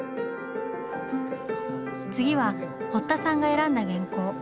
次は堀田さんが選んだ原稿。